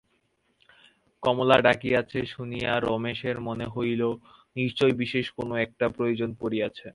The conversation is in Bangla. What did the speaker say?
কমলা ডাকিয়াছে শুনিয়া রমেশের মনে হইল, নিশ্চয় বিশেষ কোনো একটা প্রয়োজন পড়িয়াছে।